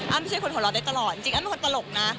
ไม่ใช่คนหัวเราะได้ตลอดจริงอ้ำเป็นคนตลกนะ